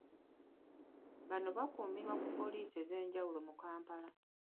Bano bakuumirwa ku poliisi ez’enjawulo mu Kampala.